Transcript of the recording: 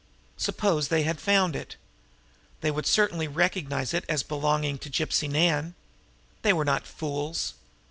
Suppose they had found it! They would certainly recognize it as belonging to Gypsy Nan! They were not fools.